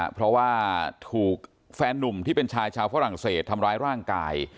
เพราะว่าถูกแฟนนุ่มที่เป็นชายชาวฝรั่งเศสทำร้ายร่างกาย